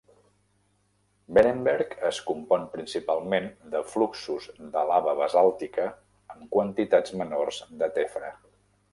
Beerenberg es compon principalment de fluxos de lava basàltica amb quantitats menors de tefra.